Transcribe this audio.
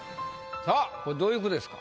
さぁこれどういう句ですか？